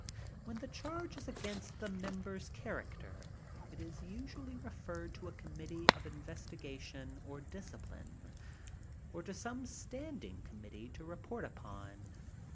When the charge is against the member's character, it is usually referred to a committee of investigation or discipline, or to some standing committee to report upon.